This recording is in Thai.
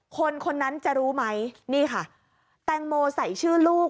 คนคนนั้นจะรู้ไหมนี่ค่ะแตงโมใส่ชื่อลูก